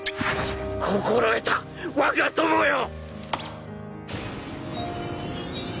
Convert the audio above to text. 心得た我が友よ！